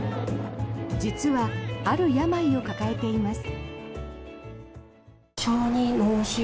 実は、ある病を抱えています。